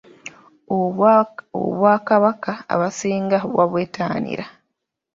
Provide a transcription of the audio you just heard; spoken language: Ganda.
Obwakabaka abasinga babwettanira